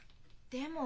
でも。